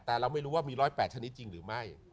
แต่เราไม่รู้ว่ามี๑๐๘ชนิดจริงหรือไม่